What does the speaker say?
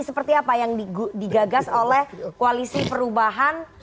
seperti apa yang digagas oleh koalisi perubahan